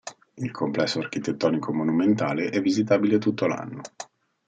Il complesso architettonico monumentale è visitabile tutto l'anno.